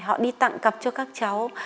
họ đi tặng cặp cho các cháu